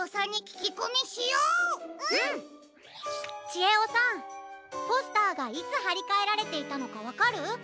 ちえおさんポスターがいつはりかえられていたのかわかる？